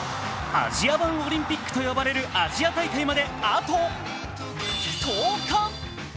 アジア版オリンピックと呼ばれるアジア大会まであと１０日。